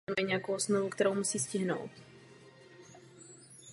Rozkládá se asi šest kilometrů severovýchodně od Mladé Boleslavi.